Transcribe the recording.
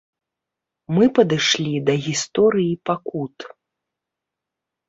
Мы падышлі да гісторыі пакут.